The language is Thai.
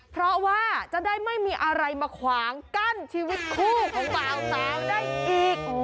เพราะว่าจะได้ไม่มีอะไรมาขวางกั้นชีวิตคู่ของบ่าวสาวได้อีก